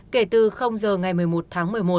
kể từ giờ ngày một mươi một tháng một mươi một